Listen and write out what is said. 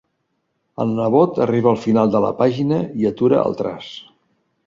El nebot arriba al final de la pàgina i atura el traç.